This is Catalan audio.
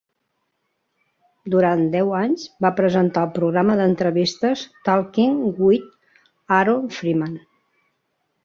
Durant deu anys, va presentar el programa d'entrevistes "Talking with Aaron Freeman".